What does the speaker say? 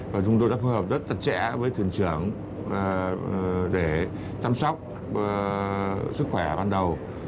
và chúng tôi đã phù hợp rất tạch trẻ với thuyền trưởng để chăm sóc sức khỏe ban đầu